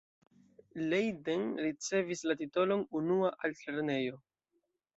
Leiden ricevis la titolon 'unua' altlernejo.